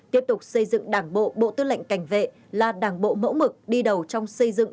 tiếp tục xây dựng đảng bộ bộ tư lệnh cảnh vệ là đảng bộ mẫu mực đi đầu trong xây dựng